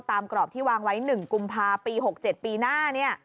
กรอบที่วางไว้๑กุมภาปี๖๗ปีหน้า